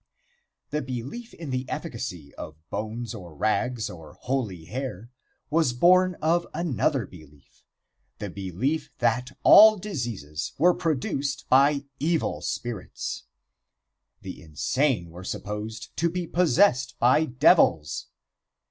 This belief in the efficacy of bones or rags and holy hair was born of another belief the belief that all diseases were produced by evil spirits. The insane were supposed to be possessed by devils.